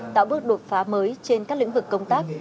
tạo bước đột phá mới trên các lĩnh vực công tác